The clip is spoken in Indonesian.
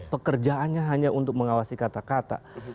pekerjaannya hanya untuk mengawasi kata kata